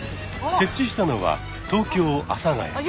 設置したのは東京・阿佐ヶ谷。